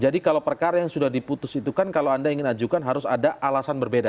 jadi kalau perkara yang sudah diputus itu kan kalau anda ingin ajukan harus ada alasan berbeda